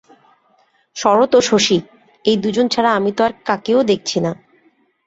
শরৎ ও শশী এই দুইজন ছাড়া আমি তো আর কাকেও দেখছি না।